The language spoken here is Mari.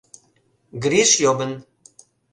ГРИШ ЙОМЫН